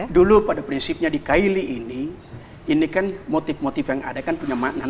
dulu pada prinsipnya di kaili ini ini kan motif motif yang ada kan punya makna